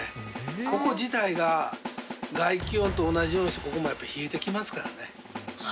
ここ自体が外気温と同じようにしてここもやっぱ冷えてきますからね。